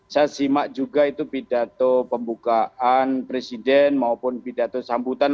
saya simak juga itu pidato pembukaan presiden maupun pidato sambutan